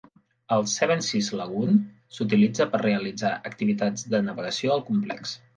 El Seven Seas Lagoon s'utilitza per realitzar activitats de navegació al complex.